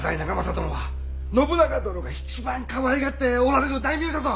殿は信長殿が一番かわいがっておられる大名じゃぞ！